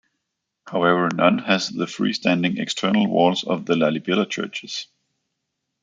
However, none have the free-standing external walls of the Lalibela churches.